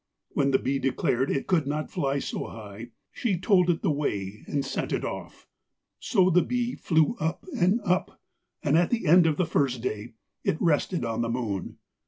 When the bee declared that it could not fly so high, she told it the way and sent it off. So the bee flew up and up, and at the end of the first day it rested on the moon.